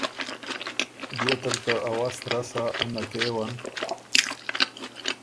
بيې تل که ا وست رسا اُنه کېون